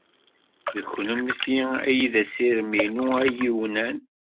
D kennemti ay d assirem-inu ayiwnan.